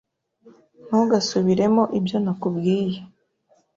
Ntugasubiremo ibyo nakubwiye.